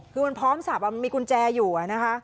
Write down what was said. คือมันพร้อมสับมีกุญแจอยู่นะคะ